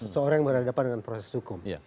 seorang yang berhadapan dengan proses hukum